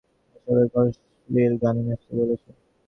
আর সবাইকে অশ্লীল গানে নাচতে বলেছো।